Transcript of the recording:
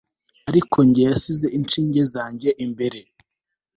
Ariko njye yasize inshinge zanjye imbere